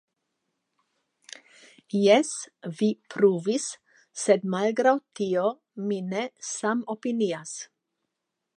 Jes, vi pruvis, sed malgraŭ tio mi ne samopinias.